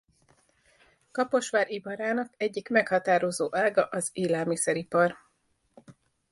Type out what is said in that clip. Kaposvár iparának egyik meghatározó ága az élelmiszeripar.